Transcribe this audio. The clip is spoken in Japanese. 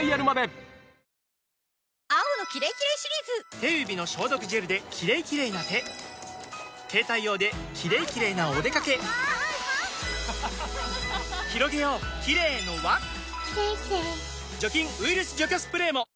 手指の消毒ジェルで「キレイキレイ」な手携帯用で「キレイキレイ」なおでかけひろげようキレイの輪除菌・ウイルス除去スプレーも！